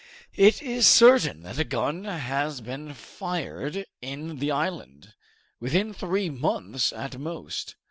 "It is certain that a gun has been fired in the island, within three months at most.